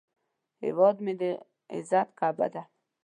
هیواد مې د عزت کعبه ده